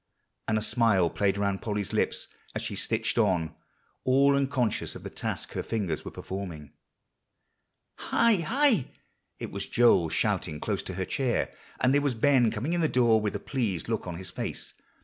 And a smile played around Polly's lips as she stitched on, all unconscious of the task her fingers were performing. "Hi hi!" It was Joel shouting close to her chair, and there was Ben coming in the door with a pleased look on his face.